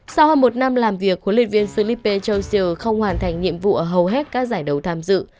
sau hơn một năm làm việc huấn luyện viên philippe johnsier không hoàn thành nhiệm vụ ở hầu hết các giải đấu tham dự